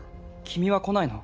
君は来ないの？